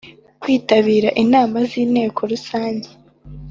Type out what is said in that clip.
Kwitabira inama z inteko rusange